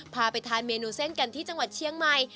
พาไปทานเมนูเส้นกันที่จังหวัดเชียงใหม่